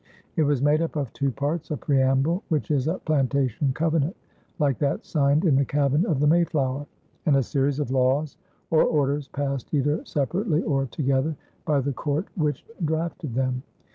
It was made up of two parts, a preamble, which is a plantation covenant like that signed in the cabin of the Mayflower, and a series of laws or orders passed either separately or together by the court which drafted them.